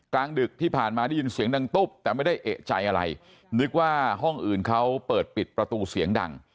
กลางดึกที่ผ่านมาได้ยินเสียงดังตุ๊บแต่ไม่ได้เอกใจอะไรนึกว่าห้องอื่นเขาเปิดปิดประตูเสียงดัง